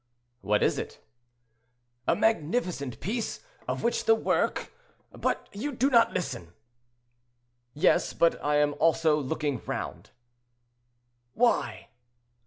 "What is it?" "A magnificent piece, of which the work—but you do not listen." "Yes; but I am also looking round." "Why?"